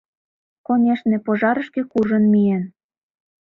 Конешне, пожарышке куржын миен...